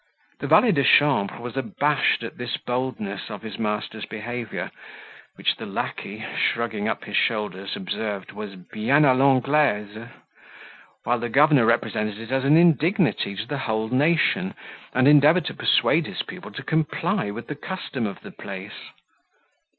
The valet de chambre was abashed at this boldness of his master's behaviour, which the lacquey, shrugging up his shoulders, observed, was bien a l'Anglaise; while the governor represented it as an indignity to the whole nation, and endeavoured to persuade his pupil to comply with the custom of the place.